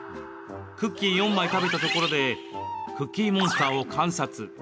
クッキー４枚食べたところでクッキーモンスターを観察。